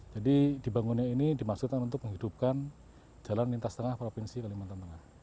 jadi dibangunnya ini dimaksudkan untuk menghidupkan jalan lintas tengah provinsi kalimantan tengah